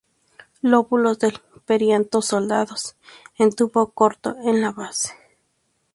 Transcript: Lóbulos del perianto soldados en tubo corto en la base.